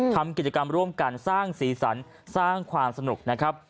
ทำกิจกรรมร่วมกันสร้างสีสันสร้างความสนุกนะครับ